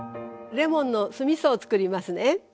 レモンの酢みそをつくりますね。